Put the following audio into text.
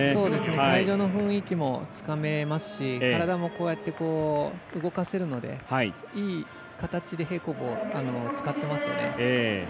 会場の雰囲気もつかめますし体もこうやって動かせるのでいい形で平行棒、使ってますよね。